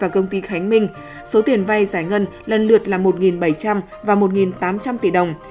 công ty khánh minh số tiền vay giải ngân lần lượt là một bảy trăm linh và một tám trăm linh tỷ đồng